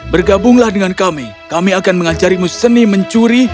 bergabunglah dengan kami kami akan mengajarimu seni mencuri